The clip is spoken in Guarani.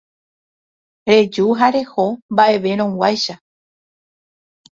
reju ha reho mba'everõguáicha.